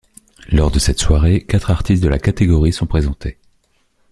Lors de cette soirée, quatre artistes de la catégorie ' sont présentés.